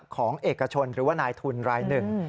เอกชนหรือว่านายทุนรายหนึ่ง